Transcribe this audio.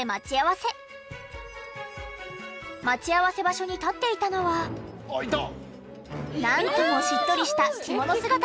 待ち合わせ場所に立っていたのはなんともしっとりした着物姿の女性。